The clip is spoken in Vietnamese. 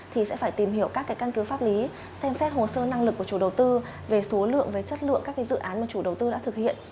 thì sẽ phải tìm hiểu các căn cứ pháp lý xem xét hồ sơ năng lực của chủ đầu tư về số lượng về chất lượng các dự án mà chủ đầu tư đã thực hiện